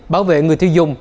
bảo vệ người tiêu dùng